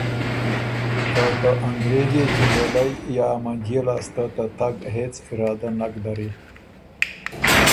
که ته انګرېز يې چِنډولئ یا منجيې لاسته ته تګ هېڅ ارادۀ نک دری،